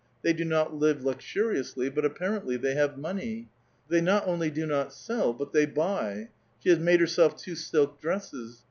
They do not live luxuriously ; but apparently I they have money. Tliey not only do not sell ; but the^ buy. She has made herself two silk dresses.